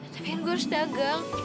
tapi gue harus dagang